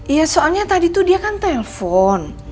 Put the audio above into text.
iya soalnya tadi tuh dia kan telpon